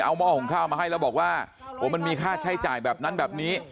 เอาหม้อหุงข้าวมาให้แล้วบอกว่าโอ้มันมีค่าใช้จ่ายแบบนั้นแบบนี้